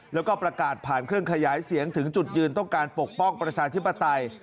แล้วก็ประกาศผ่านเครื่องขยายเสียงถึงจุดยืนต้องการปกป้องประชาธิปไตย